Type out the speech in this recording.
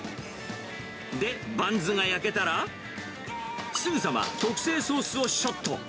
で、バンズが焼けたら、すぐさま特製ソースをショット。